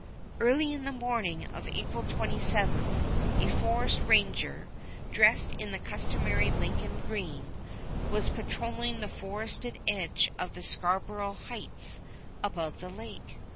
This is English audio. Early in the morning of April 27 a forest ranger, dressed in the customary Lincoln green, was patrolling the forested edge of Scarborough Heights above the lake.